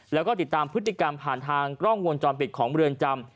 แล้วก็ติดตามพฤติกรรมผ่านทางกล้องวงจรปิดของเรือนจำ